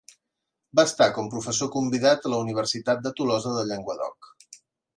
Va estar com professor convidat en la Universitat de Tolosa de Llenguadoc.